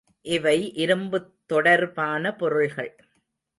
இவை இரும்புத் தொடர்பான பொருள்கள்.